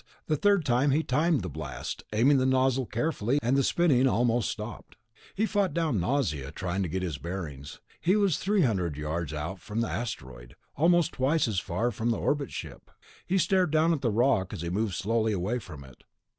The third time he timed the blast, aiming the nozzle carefully, and the spinning almost stopped. He fought down nausea, trying to get his bearings. He was three hundred yards out from the asteroid, almost twice as far from the orbit ship. He stared down at the rock as he moved slowly away from it.